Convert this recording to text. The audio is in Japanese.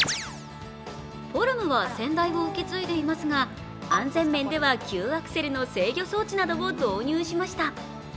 フォルムは先代を受け継いでいますが安全面では急アクセルの制御装置などを導入しました。